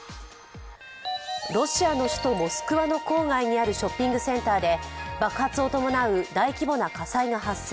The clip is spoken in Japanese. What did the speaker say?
ロシアの首都モスクワの郊外にあるショッピングセンターで、爆発を伴う大規模な火災が発生